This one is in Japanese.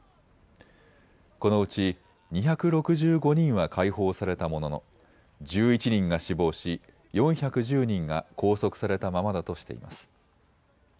このうち２６５人は解放されたものの１１人が死亡し、４１０人が拘束されたままだとしています。